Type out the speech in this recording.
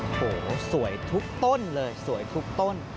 โอ้โหสวยทุกต้นเลยสวยทุกต้น